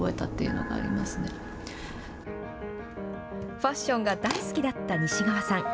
ファッションが大好きだった西側さん。